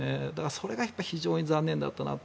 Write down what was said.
それが非常に残念だったなと。